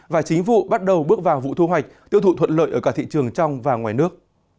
và chính vụ bắt đầu bước vào vụ thu hoạch tiêu thụ thuận lợi ở cả thị trường trong và ngoài nước